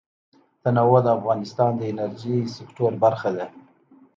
تنوع د افغانستان د انرژۍ سکتور برخه ده.